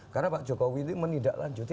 karena pak jokowi ini menindaklanjuti